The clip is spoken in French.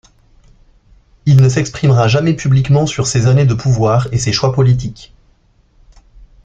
Il ne s'exprimera jamais publiquement sur ses années de pouvoirs et ses choix politiques.